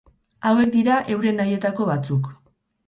Hauek dira euren nahietako batzuk.